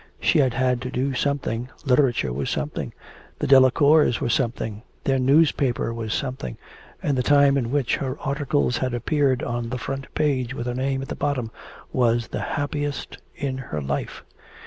She had had to do something, literature was something, the Delacours were something, their newspaper was something, and the time in which her articles had appeared on the front page with her name at the bottom was the happiest in her life.